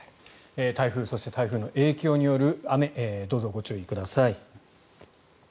台風そして台風の影響による雨どうぞご注意ください。